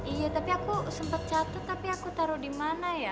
iya tapi aku sempet catat tapi aku taruh dimana ya